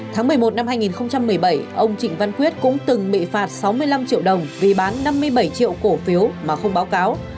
tháng một mươi một năm hai nghìn một mươi bảy ông trịnh văn quyết cũng từng bị phạt sáu mươi năm triệu đồng vì bán năm mươi bảy triệu cổ phiếu mà không báo cáo